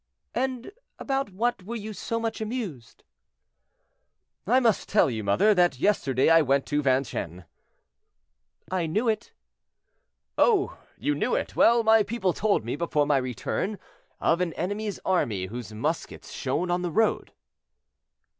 "And about what were you so much amused?" "I must tell you, mother, that yesterday I went to Vincennes." "I knew it." "Oh! you knew it; well, my people told me, before my return, of an enemy's army whose muskets shone on the road."